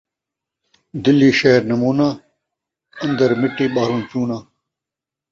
دلی شہر نموناں ، ان٘در مٹی ٻاہروں چوناں